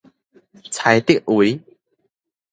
柴竹圍